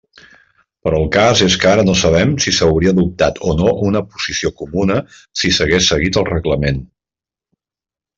Però el cas és que ara no sabem si s'hauria adoptat o no una posició comuna si s'hagués seguit el reglament.